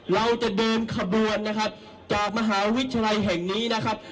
เราจะเดินขบวนนะครับจากมหาวิทยาลัยแห่งนี้นะครับ